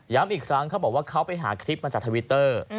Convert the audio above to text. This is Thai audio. อีกครั้งเขาบอกว่าเขาไปหาคลิปมาจากทวิตเตอร์